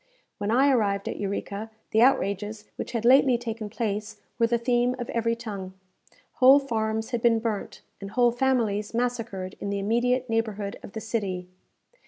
When I arrived at Eureka, the outrages which had lately taken place were the theme of every tongue. Whole farms had been burnt, and whole families massacred in the immediate neighbourhood of the city.